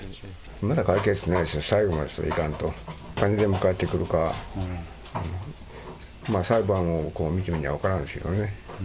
まだ解決してないでしょ、最後までいかんと、お金全部返ってくるか、裁判を見てみにゃ分からんですけどね。